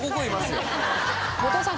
後藤さん